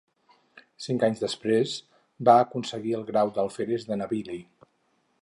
Cinc anys després va aconseguir el grau d'alferes de navili.